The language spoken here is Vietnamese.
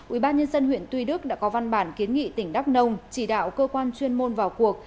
ubnd huyện tuy đức đã có văn bản kiến nghị tỉnh đắk nông chỉ đạo cơ quan chuyên môn vào cuộc